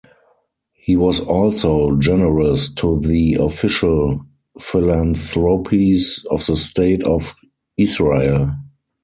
He was also generous to the official philanthropies of the State of Israel.